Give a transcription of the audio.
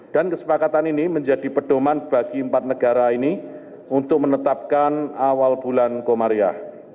dan kesepakatan ini menjadi pedoman bagi empat negara ini untuk menetapkan awal bulan komaria